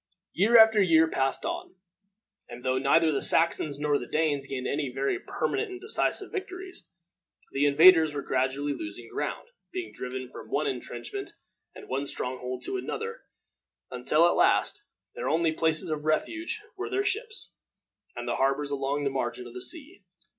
Year after year passed on, and, though neither the Saxons nor the Danes gained any very permanent and decisive victories, the invaders were gradually losing ground, being driven from one intrenchment and one stronghold to another, until, at last, their only places of refuge were their ships, and the harbors along the margin of the sea.